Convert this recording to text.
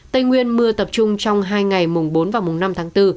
tây nguyên mưa tập trung trong hai ngày mùng bốn và mùng năm tháng bốn